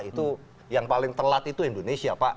itu yang paling telat itu indonesia pak